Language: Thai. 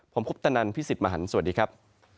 ผมคุปตนันพี่สิทธิ์มหันฯสวัสดีครับ